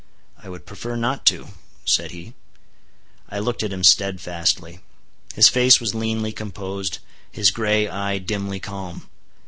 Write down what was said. "I would prefer not to," said he. I looked at him steadfastly. His face was leanly composed; his gray eye dimly calm.